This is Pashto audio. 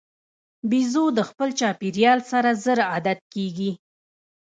بیزو د خپل چاپېریال سره ژر عادت کېږي.